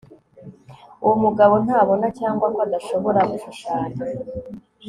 uwo mugabo ntabona, cyangwa ko adashobora gushushanya